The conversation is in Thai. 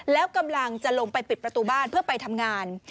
แล้วกำลังจะลงไปปิดประตูบ้านเพื่อไปทำงาน